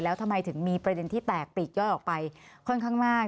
แล้วทำไมถึงมีประเด็นที่แตกปีกย่อยออกไปค่อนข้างมาก